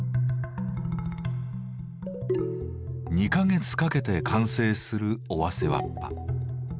２か月かけて完成する尾鷲わっぱ。